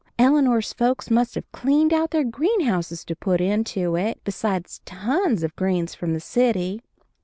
Eleanor's folks must have cleaned out their green house to put into it, besides tons of greens from the city.